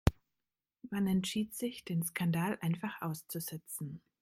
Man entschied sich, den Skandal einfach auszusitzen.